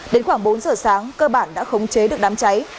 đến khoảng bốn giờ sáng cơ bản đã khống chế được đám cháy